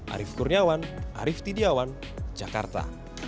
arief kurniawan arief tidiawan jakarta